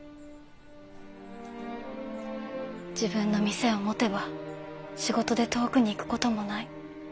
自分の店を持てば仕事で遠くに行く事もない。